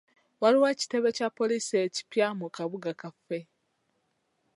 Waliwo ekitebe kya poliisi ekipya mu kabuga kaffe.